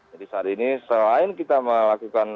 jadi saat ini selain kita melakukan